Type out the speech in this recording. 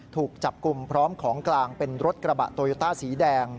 ถูกจับกลุ่มพร้อมของกลางเป็นรถกระบะโตโยต้าสีแดง